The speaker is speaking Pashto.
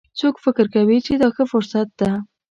څوک فکر کوي چې دا ښه فرصت ده